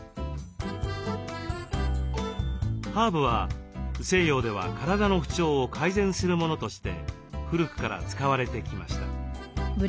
ハーブは西洋では体の不調を改善するものとして古くから使われてきました。